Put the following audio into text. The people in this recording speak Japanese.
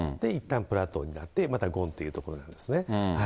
いったんフラットになって、またごんというところなんですね。